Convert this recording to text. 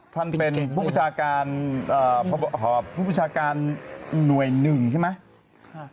ท่านเป็นผู้ประชาการหน่วย๑ใช่ไหม